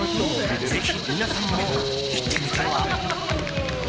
ぜひ皆さんも行ってみては？